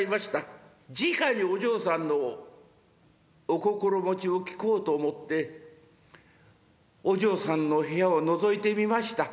じかにお嬢さんのお心持ちを聞こうと思ってお嬢さんの部屋をのぞいてみました。